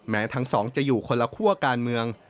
ทั้งสองจะอยู่คนละคั่วการเมือง